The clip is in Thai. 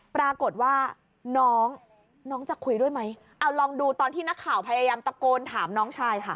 ปรากฏว่าน้องน้องจะคุยด้วยไหมเอาลองดูตอนที่นักข่าวพยายามตะโกนถามน้องชายค่ะ